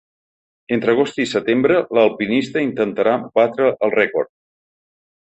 Entre agost i setembre, l’alpinista intentarà batre el rècord.